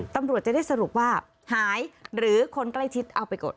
ตำรวจจะได้สรุปว่าหายหรือคนใกล้ชิดเอาไปกด